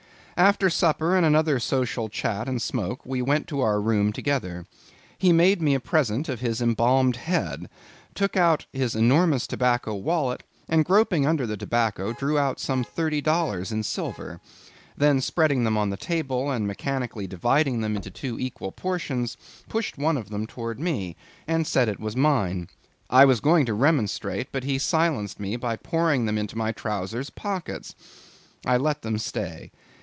After supper, and another social chat and smoke, we went to our room together. He made me a present of his embalmed head; took out his enormous tobacco wallet, and groping under the tobacco, drew out some thirty dollars in silver; then spreading them on the table, and mechanically dividing them into two equal portions, pushed one of them towards me, and said it was mine. I was going to remonstrate; but he silenced me by pouring them into my trowsers' pockets. I let them stay.